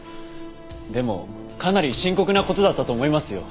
でもかなり深刻な事だったと思いますよ。